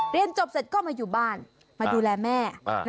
เรียนจบเสร็จก็มาอยู่บ้านมาดูแลแม่